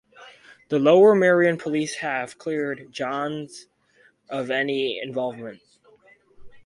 The Lower Merion police have cleared Johns of any involvement.